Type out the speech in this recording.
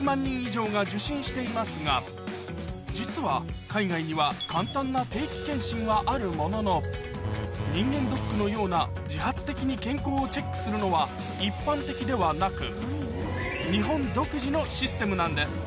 実は海外には簡単な定期健診はあるものの人間ドックのような自発的に健康をチェックするのは一般的ではなく日本独自のシステムなんです